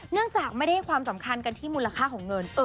จากไม่ได้ให้ความสำคัญกันที่มูลค่าของเงิน